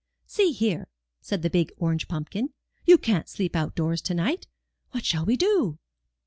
*'See here," said the big orange pumpkin, ''you can't sleep outdoors to night. What shall we do?"